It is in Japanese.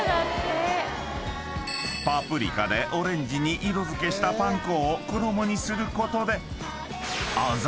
［パプリカでオレンジに色付けしたパン粉を衣にすることで］